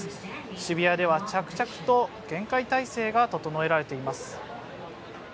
渋谷では着々と厳戒態勢が整えられています。